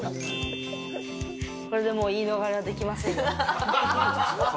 これでもう言い逃れはできませんよ。